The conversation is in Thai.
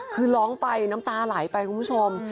คือร้องไปน้ำตาไหลไปคุณผู้ชม